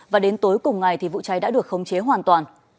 và đến tối cùng ngày thì vụ cháy đã được khống chế hoàn toàn